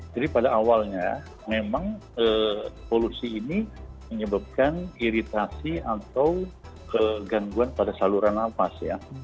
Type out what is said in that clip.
jadi pada awalnya memang polusi ini menyebabkan iritasi atau kegangguan pada saluran nafas ya